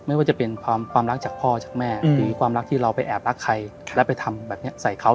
ไม่ว่าจะเป็นความรักจากพ่อจากแม่หรือความรักที่เราไปแอบรักใครแล้วไปทำแบบนี้ใส่เขา